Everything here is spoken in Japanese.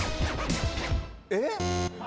えっ？